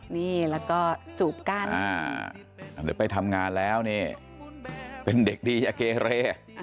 นี่แล้วก็จูบกั้นหรือไปทำงานแล้วนี่เป็นเด็กดีอเกเร